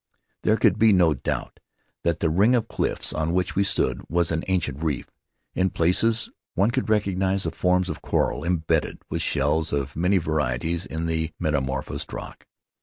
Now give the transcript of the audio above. There could be no doubt that the ring of cliffs on which we stood was an ancient reef; in places one could recognize the forms of coral, imbedded, with shells of many varieties, in the metamorphosed rock.